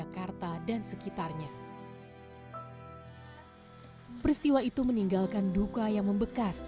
perempuan tangan dan kakinya yang melemah oleh pelu lantakan daerah istimewa yogyakarta